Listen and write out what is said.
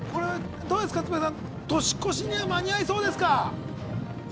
どうですか年越しには間に合いそうですか。